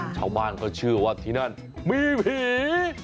ชาวบ้านเขาเชื่อว่าที่นั่นมีผี